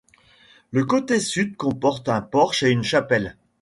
Le côté sud comporte un porche et une chapelle.